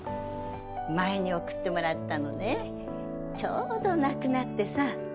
前に送ってもらったのね、ちょうどなくなってさ。